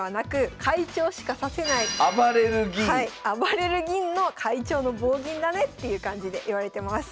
暴れる銀の会長の暴銀だねっていう感じでいわれてます。